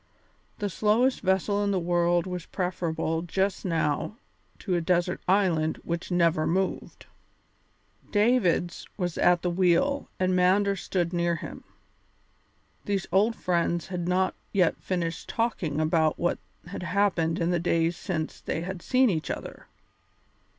The slowest vessel in the world was preferable just now to a desert island which never moved. Davids was at the wheel and Mander stood near him. These old friends had not yet finished talking about what had happened in the days since they had seen each other.